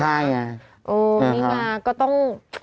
นี่มาก็ต้อง